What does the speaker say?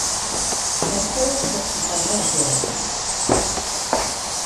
Santerre perd ses parents encore enfant.